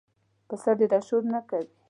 پسه ډېره شور نه کوي.